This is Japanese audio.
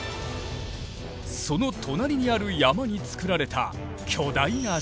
その隣にある山に造られた巨大な城。